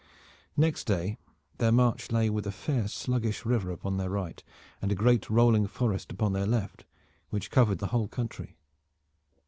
Next day their march lay with a fair sluggish river upon their right, and a great rolling forest upon their left which covered the whole country.